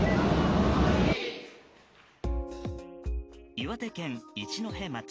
岩手県一戸町。